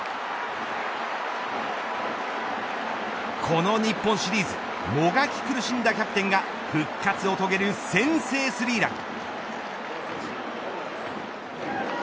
この日本シリーズもがき苦しんだキャプテンが復活を遂げる先制スリーラン。